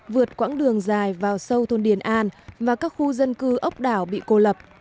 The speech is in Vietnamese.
vượt quãng đường dài vào sâu thôn điền an và các khu dân cư ốc đảo bị cô lập